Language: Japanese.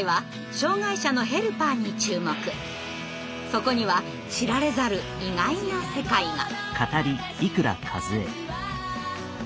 そこには知られざる意外な世界が。